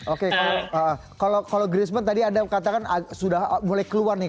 oke kalau griezman tadi anda katakan sudah mulai keluar nih